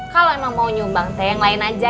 kalo emang mau nyumbang teh yang lain aja